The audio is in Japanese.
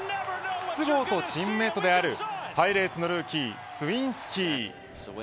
筒香とチームメートであるパイレーツのルーキースウィンスキー。